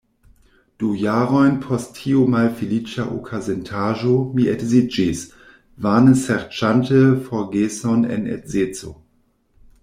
Du jarojn post tiu malfeliĉa okazintaĵo mi edziĝis, vane serĉante forgeson en edzeco.